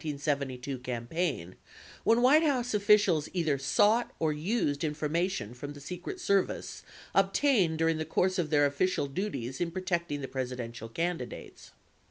148 tional instances during the course of the 1972 campaign when White House officials either sought or used information from the Secret Serv ice obtained during the course of their official duties in protecting the Presidential candidates.